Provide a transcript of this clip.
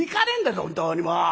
本当にもう！